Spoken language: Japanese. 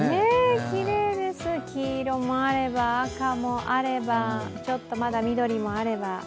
きれいです、黄色もあれば赤もあれば、ちょっとまだ緑もあれば。